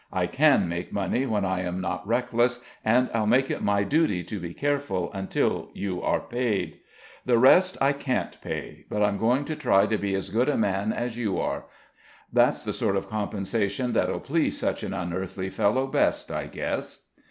I can make money when I am not reckless, and I'll make it my duty to be careful until you are paid. The rest I can't pay, but I'm going to try to be as good a man as you are. That's the sort of compensation that'll please such an unearthly fellow best, I guess."